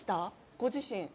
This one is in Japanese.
ご自身。